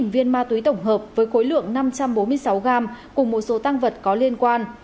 một mươi viên ma túy tổng hợp với khối lượng năm trăm bốn mươi sáu gram cùng một số tăng vật có liên quan